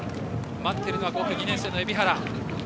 待っているのは５区２年生の海老原。